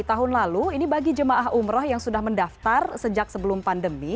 tahun lalu ini bagi jemaah umroh yang sudah mendaftar sejak sebelum pandemi